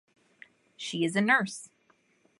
She is a nurse.